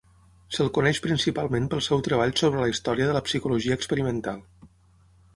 Se'l coneix principalment pel seu treball sobre la història de la psicologia experimental.